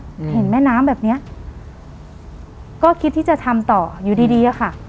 อืมเห็นแม่น้ำแบบเนี้ยก็คิดที่จะทำต่ออยู่ดีดีอะค่ะ